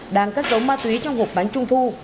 đang cắt giống ma túy trong hộp bánh trung thu